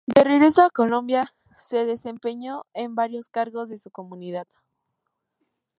De regreso a Colombia se desempeñó en varios cargos en su comunidad.